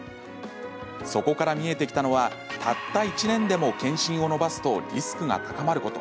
そこから見えてきたのはたった１年でも検診を延ばすとリスクが高まること。